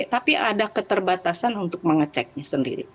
tapi ada keterbatasan untuk mengeceknya sendiri